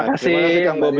terima kasih kang bobi